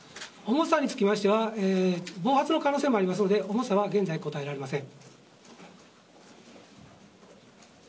重さにつきましては暴発の可能性もありますので重さは現在、答えられません。